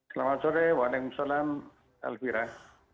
selamat sore waalaikumsalam